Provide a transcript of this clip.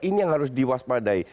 ini yang harus diwaspadai